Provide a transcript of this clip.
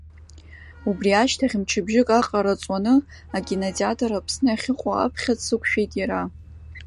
Убри ашьҭахь мчыбжьык аҟара ҵуаны, акинотеатр Аԥсны ахьыҟоу аԥхьа дсықәшәеит иара.